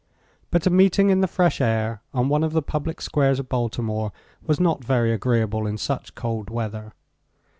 But a meeting in the fresh air on one of the public squares of Baltimore was not very agreeable in such cold weather.